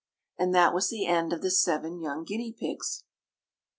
And that was the end of the seven young guinea pigs.